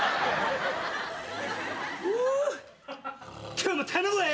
今日も頼むわよ。